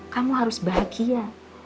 kamu harus bahagia